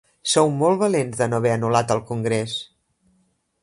Sou molt valents de no haver anul·lat el Congrés.